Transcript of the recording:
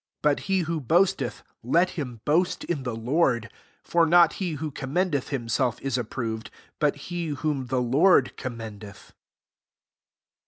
17 But he who boasteth, let him boast in the Lord. 18 For not he who commendeth himself is approved, but he whom the Lord conimendeth.